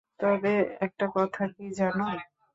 তবে, একটা কথা কী জানো?